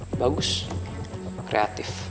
itu bagus dan kreatif